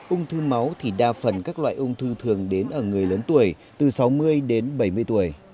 ung thư máu thì đa phần các loại ung thư thường đến ở người lớn tuổi từ sáu mươi đến bảy mươi tuổi